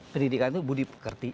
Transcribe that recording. pendidikan itu budi pekerti